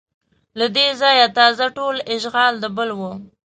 له دې ځایه تازه ټول اشغال د بل و